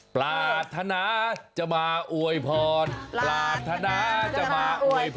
ปรารถนาจะมาอวยพรปรารถนาจะมาอวยพร